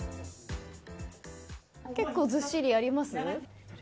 結構ずっしりあります？